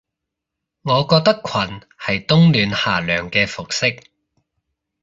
我覺得裙係冬暖夏涼嘅服飾